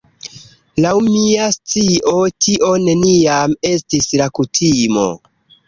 Laŭ mia scio tio neniam estis la kutimo.